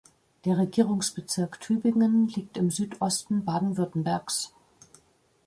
Der Regierungsbezirk Tübingen liegt im Südosten Baden-Württembergs.